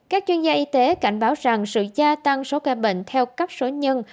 các chuyên gia y tế cảnh báo rằng sự gia tăng số ca bệnh theo cấp số nhân